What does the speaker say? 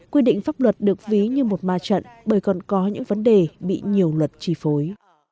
quy định pháp luật được ví như một ma trận bởi còn có những vấn đề bị nhiều luật trì phối